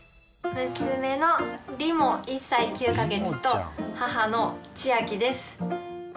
娘のりも１歳９か月と母の千晃です。